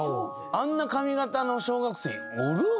あんな髪形の小学生おる？